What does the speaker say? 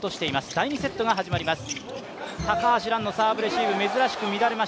第２セットが始まります。